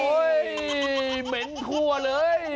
โอ้ยเหม็นคั่วเลย